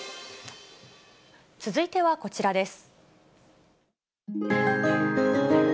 続いてはこちらです。